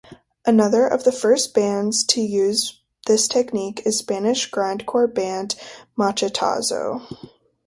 Another of the first bands to use this technique is Spanish grindcore band Machetazo.